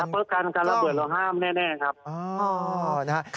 เพราะการการระเบิดเราห้ามแน่ครับ